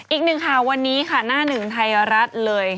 อีกหนึ่งข่าววันนี้ค่ะหน้าหนึ่งไทยรัฐเลย